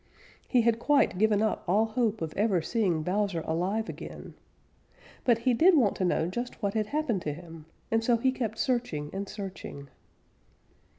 He had quite given up all hope of ever seeing Bowser alive again. But he did want to know just what had happened to him, and so he kept searching and searching.